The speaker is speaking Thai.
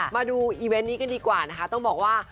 มาดูอีเวนต์นี้กันดีกว่านะคะต้องบอกว่า